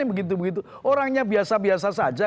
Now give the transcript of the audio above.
begitu begitu orangnya biasa biasa saja